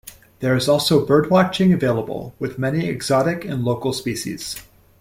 There is also bird watching available with many exotic and local species.